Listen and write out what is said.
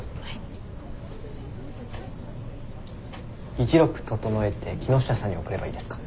議事録整えて木下さんに送ればいいですか？